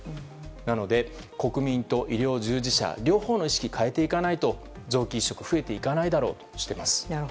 なので、国民と医療従事者両方の意識を変えていかないと臓器移植は増えていかないだろうとしています。